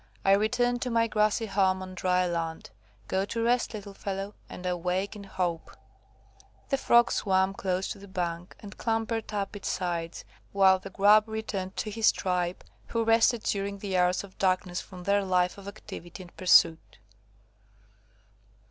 I return to my grassy home on dry land. Go to rest, little fellow, and awake in hope." The Frog swam close to the bank, and clambered up its sides, while the Grub returned to his tribe, who rested during the hours of darkness from their life of activity and pursuit.